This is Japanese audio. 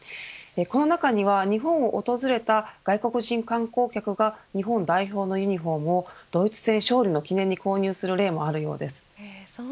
この中には日本を訪れた外国人観光客が日本代表のユニホームをドイツ戦勝利の記念に購入する例もあるようです。